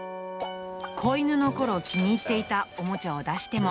子犬のころ、気に入っていたおもちゃを出しても。